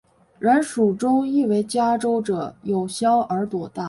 然蜀中亦为嘉州者有香而朵大。